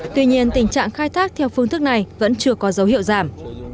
tuy nhiên tình trạng khai thác theo phương thức này vẫn chưa có dấu hiệu giảm